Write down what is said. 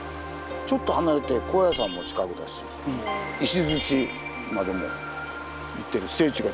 ちょっと離れて高野山も近くだし石までも行ってる。